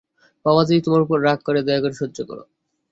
বাবা যদি তোমার উপর রাগ করে, দয়া করে সহ্য করো।